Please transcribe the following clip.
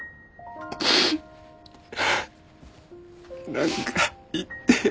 何か言ってよ。